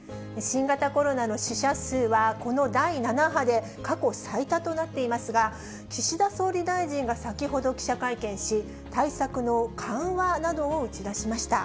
新型コロナの死者数は、この第７波で過去最多となっていますが、岸田総理大臣が先ほど、記者会見し、対策の緩和などを打ち出しました。